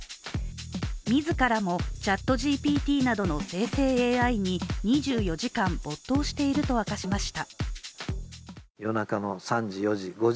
自らもＣｈａｔＧＰＴなどの生成ＡＩに２４時間没頭していると明かしました。